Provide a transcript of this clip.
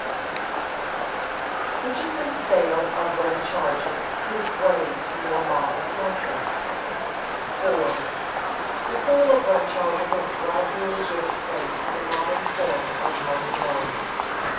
[Sidenote: Purchase and sale of rent charges gives way to more modern contracts] 4. _The sale of rent charges has gradually given place to the modern form of money loan.